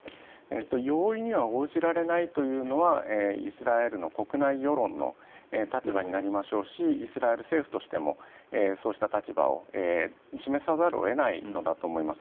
容易には応じられないというのがイスラエルの国内世論の立場になりましょうしイスラエル政府としてもそうした立場を示さざるを得ないのだと思います。